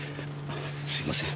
すいません。